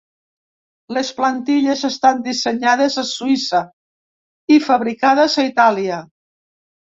Les plantilles estan dissenyades a Suïssa i fabricades a Itàlia.